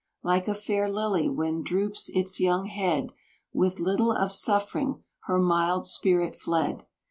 Like a fair lily when droops its young head, With little of suffering her mild spirit fled.